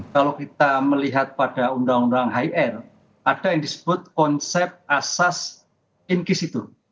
kalau kita melihat pada undang undang high air ada yang disebut konsep asas inquisitor